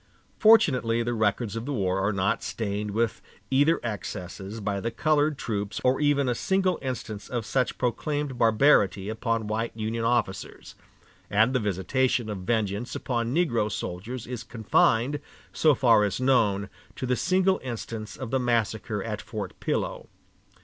Fortunately, the records of the war are not stained with either excesses by the colored troops or even a single instance of such proclaimed barbarity upon white Union officers; and the visitation of vengeance upon negro soldiers is confined, so far as known, to the single instance of the massacre at Fort Pillow.